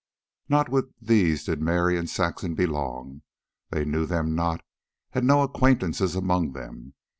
Not with these did Mary and Saxon belong. They knew them not, had no acquaintances among them.